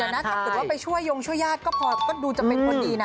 แต่ถ้าถือว่าไปช่วยโยงช่วยญาติก็ดูจะเป็นคนดีนะ